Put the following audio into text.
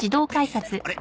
あれ？